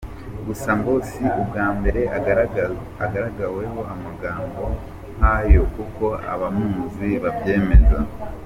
Gusa ngo si ubwa mbere agaragaweho amagambo nk’ayo, nk’uko abamuzi babyemeza.